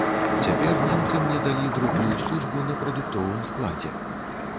Цяпер немцы мне далі дробную службу на прадуктовым складзе.